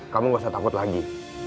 kamu gak usah takut lagi